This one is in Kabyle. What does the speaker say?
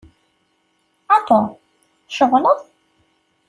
A Tom, tceɣleḍ?